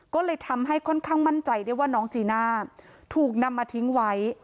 ก็เลยทำให้ค่อนข้างมั่นใจได้ว่าน้องจีน่าถูกนำมาทิ้งไว้